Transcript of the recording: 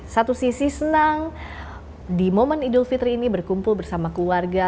satu sisi senang di momen idul fitri ini berkumpul bersama keluarga